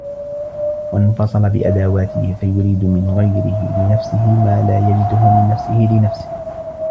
وَانْفَصَلَ بِأَدَوَاتِهِ فَيُرِيدُ مِنْ غَيْرِهِ لِنَفْسِهِ مَا لَا يَجِدُهُ مِنْ نَفْسِهِ لِنَفْسِهِ